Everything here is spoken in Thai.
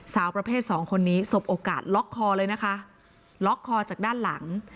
สาวประเภทสองคนนี้สบโอกาสล็อกคอเลยนะคะล็อกคอจากด้านหลัง